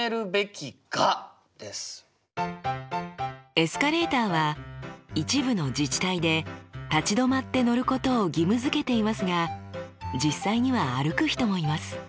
エスカレーターは一部の自治体で立ち止まって乗ることを義務づけていますが実際には歩く人もいます。